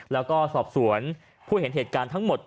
แล้วก็สอบสวนผู้เห็นเหตุการณ์ทั้งหมด